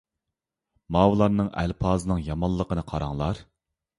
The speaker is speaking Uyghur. ماۋۇلارنىڭ ئەلپازىنىڭ يامانلىقىنى قاراڭلار.